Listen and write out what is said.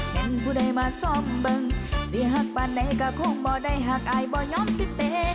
เห็นผู้ใดมาซ่อมบึงเสียหักบ้านไหนก็คงบ่ได้หักอายบ่ยอมสิเต้